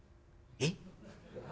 「えっ？